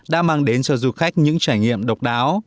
đã mang đến cho du khách những trải nghiệm độc đáo